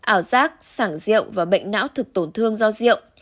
ảo giác sảng rượu và bệnh não thực tổn thương do rượu